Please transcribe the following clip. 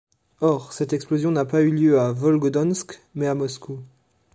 Or cette explosion n'a pas eu lieu à Volgodonsk, mais à Moscou.